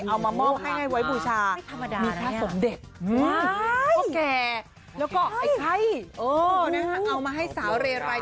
เอามามอบให้ไว้บูชามีค่าสมเด็ดโอเคแล้วก็ไอ้ไข้เอามาให้สาวเรรัย